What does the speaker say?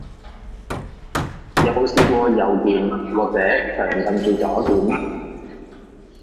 有冇試過右鍵，或者長撳住左鍵？